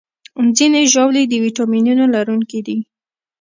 ځینې ژاولې د ویټامینونو لرونکي دي.